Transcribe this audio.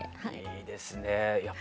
いいですね。